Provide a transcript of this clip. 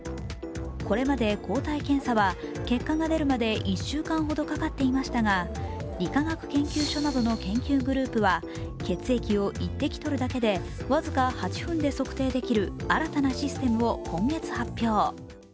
これまで抗体検査は結果が出るまで１週間ほどかかっていましたが理化学研究所などの研究グループは血液を１滴取るだけで僅か８分で測定できる新たなシステムを今月発表。